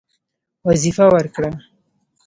وظیفه ورکړه.